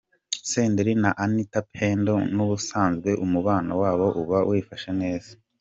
Senderi na Anita Pendo n’ubusanzwe umubano wabo uba wifashe neza.